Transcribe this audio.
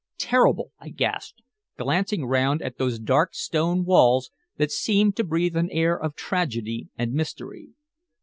"Terrible!" I gasped, glancing round at those dark stone walls that seemed to breathe an air of tragedy and mystery.